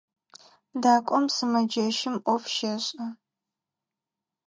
Дакӏом сымэджэщым ӏоф щешӏэ.